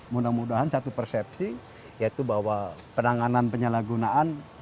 mudah mudahan satu persepsi yaitu bahwa penanganan penyalahgunaan